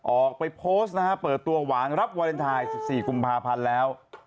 ออกไปโพสต์นะฮะเปิดตัวหวานรับวาเลนไทย๑๔กุมภาพันธ์แล้ว